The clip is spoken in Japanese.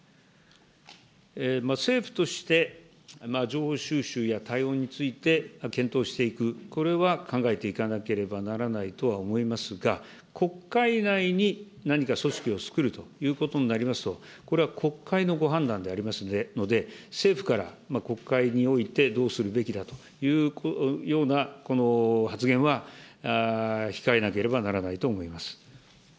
政府として情報収集や対応について検討していく、これは考えていかなければならないとは思いますが、国会内に何か組織を作るということになりますと、これは国会のご判断でありますので、政府から国会においてどうするべきだというような発言は控えなけ